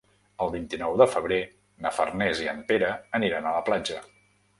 El vint-i-nou de febrer na Farners i en Pere aniran a la platja.